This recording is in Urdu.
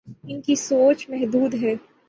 ان کی سوچ محدود ہے۔